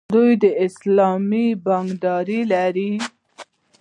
دوی اسلامي بانکداري لري.